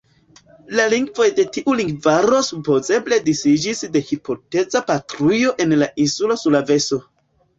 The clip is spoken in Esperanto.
La lingvoj de tiu lingvaro supozeble disiĝis de hipoteza patrujo en la insulo Sulaveso.